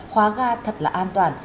khóa ga thật là an toàn